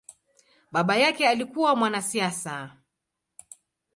Baba yake alikua mwanasiasa.